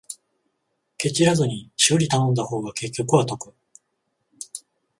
ケチらずに修理頼んだ方が結局は得